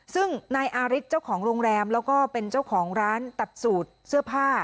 ซึ่งนายอาริสเจ้าของโรงแรมแล้วก็เป็นเจ้าของร้านตัดสูตรเสื้อผ้า